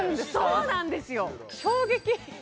そうなんですよ衝撃！